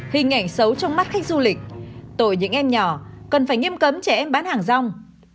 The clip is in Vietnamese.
hình ảnh xấu trong mắt khách du lịch tội những em nhỏ cần phải nghiêm cấm trẻ em bán hàng rong